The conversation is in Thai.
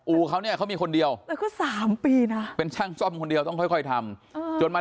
อู๋เขานี่เขามีคนเดียวแสน๓ปีนะเป็นช่างซ่อมคนเดียวต้องค่อยทำ